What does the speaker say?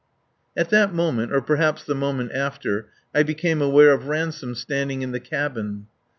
At that moment, or, perhaps, the moment after, I became aware of Ransome standing in the cabin.